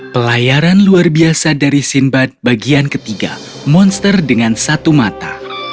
pelayaran luar biasa dari sinbad bagian ketiga monster dengan satu mata